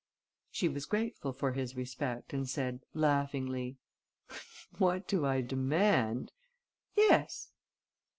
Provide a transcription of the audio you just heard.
She was grateful for his respect and said, laughingly: "What do I demand?" "Yes."